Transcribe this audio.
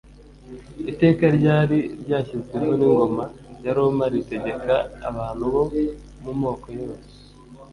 Iteka ryari ryashyizweho n'ingoma ya Roma ritegeka abantu bo mu moko yose